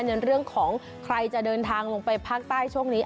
ในเรื่องของใครจะเดินทางลงไปภาคใต้ช่วงนี้